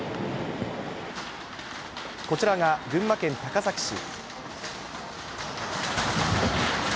こちらが群馬県高崎市。